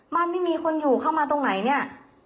ไม่มีคนอยู่เข้ามาตรงไหนเนี่ย